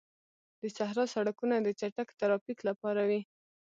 د صحرا سړکونه د چټک ترافیک لپاره وي.